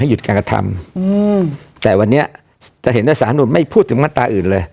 หยุดการกระทำแต่วันนี้จะเห็นว่าสารนุนไม่พูดถึงมาตราอื่นเลย